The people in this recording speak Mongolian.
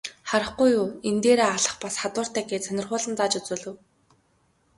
Харахгүй юу, энэ дээрээ алх бас хадууртай гээд сонирхуулан зааж үзүүлэв.